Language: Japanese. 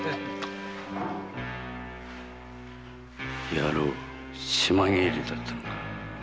野郎島帰りだったのか。